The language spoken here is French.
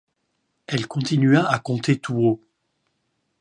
Elle continua à compter tout haut.